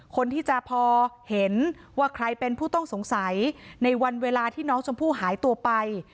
คนที่จะพอเห็นว่าใครเป็นผู้ต้องสงสัยในวันเวลาที่น้องชมพู่หายตัวไป